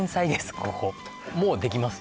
ここもうできます